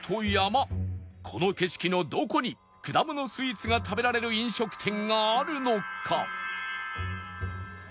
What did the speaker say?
この景色のどこにくだものスイーツが食べられる飲食店があるのか？